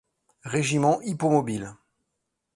Régiment Hippomobile.